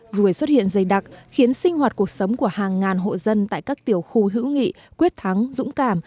ruồi xuất hiện dày đặc khiến sinh hoạt cuộc sống của hàng ngàn hộ dân tại các tiểu khu hữu nghị quyết thắng dũng cảm